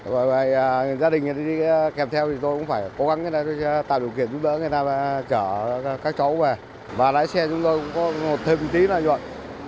và lái xe chúng tôi cũng có thêm một tí là nhuận lần sau tôi sẽ chấp hành nghiêm trình hơn